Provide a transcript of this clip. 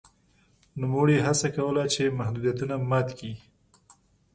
نوموړي هڅه کوله چې محدودیتونه مات کړي.